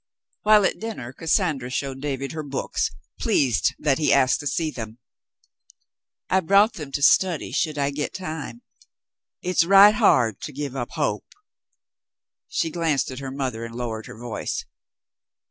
While at dinner, Cassandra showed David her books, An Errand of Mercy 89 pleased that he asked to see them. "I brought them to study, should I get time. It's right hard to give up hope —" she glanced at her mother and lowered her voice.